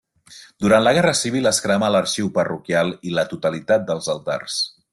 Durant la Guerra Civil es cremà l'arxiu parroquial i la totalitat dels altars.